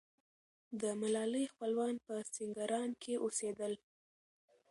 د ملالۍ خپلوان په سینګران کې اوسېدل.